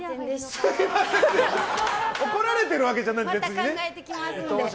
怒られているわけじゃなくてね。